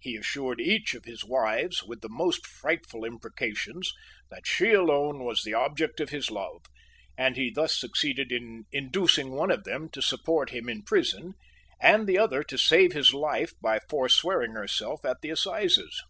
He assured each of his wives, with the most frightful imprecations, that she alone was the object of his love; and he thus succeeded in inducing one of them to support him in prison, and the other to save his life by forswearing herself at the assizes.